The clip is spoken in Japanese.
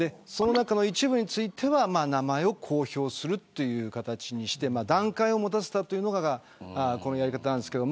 その中の一部については名前を公表する形にして段階を持たせたのがこのやり方です。